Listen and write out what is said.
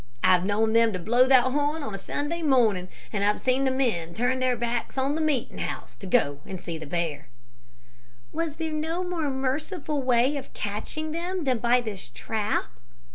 I've known them to blow that horn on a Sunday morning, and I've seen the men turn their backs on the meeting house to go and see the bear." "Was there no more merciful way of catching them than by this trap?"